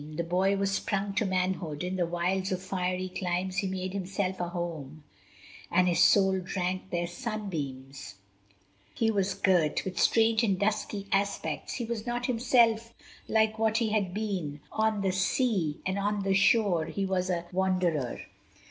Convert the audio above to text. The boy was sprung to manhood: in the wilds Of fiery climes he made himself a home, And his soul drank their sunbeams: he was girt With strange and dusky aspects; he was not Himself like what he had been; on the sea And on the shore he was a wanderer.